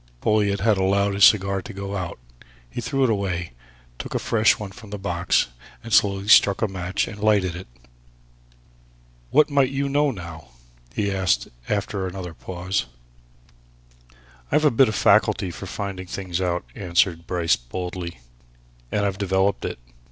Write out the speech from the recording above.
Folliot had allowed his cigar to go out. He threw it away, took a fresh one from the box, and slowly struck a match and lighted it. "What might you know, now?" he asked after another pause. "I've a bit of a faculty for finding things out," answered Bryce boldly. "And I've developed it.